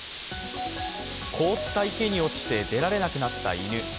凍った池に落ちて出られなくなった犬。